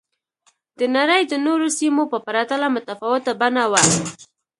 د نړۍ د نورو سیمو په پرتله متفاوته بڼه وه